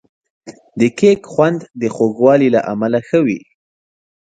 د کیک خوند د خوږوالي له امله ښه وي.